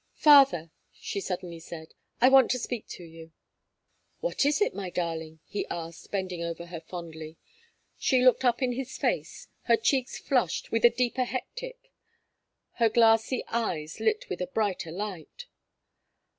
"Father," she suddenly said, "I want to speak to you." "What is it, my darling?" he asked, bending over her fondly. She looked up in his face, her cheeks flushed with a deeper hectic, her glassy eyes lit with a brighter light.